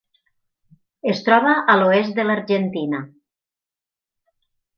Es troba a l'oest de l'Argentina.